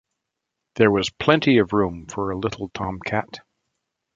There was plenty of room for a little tomcat.